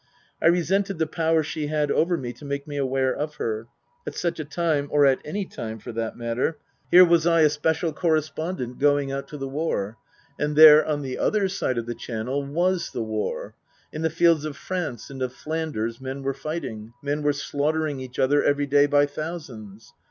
I resented the power she had over me to make me aware of her at such a time, or at anv time, for that matter. 282 Tasker Jevons Here was I, a Special Correspondent, going out to the war ; and there, on the other side of the Channel, was the war ; in the fields of France and of Flanders men were fighting, men were slaughtering each other every day by thousands.